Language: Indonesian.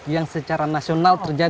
yang secara nasional